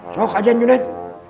seolah olah bisa ajar